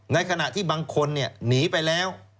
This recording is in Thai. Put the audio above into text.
ในขณะที่บางคนหนีไปแล้ว